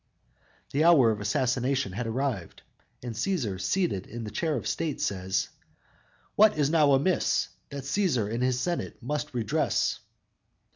"_ The hour of assassination has arrived, and Cæsar, seated in the chair of state, says: _"What is now amiss That Cæsar and his senate must redress?"